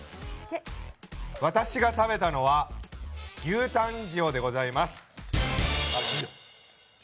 私が食べたのは牛タン塩でございます。